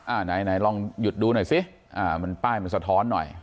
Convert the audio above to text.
ไหนไหนลองหยุดดูหน่อยสิอ่ามันป้ายมันสะท้อนหน่อย